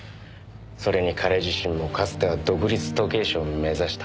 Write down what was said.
それに彼自身もかつては独立時計師を目指した。